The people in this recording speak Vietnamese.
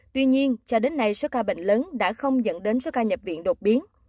tuy nhiên cho đến nay số ca bệnh lớn đã không dẫn đến số ca nhập viện đột biến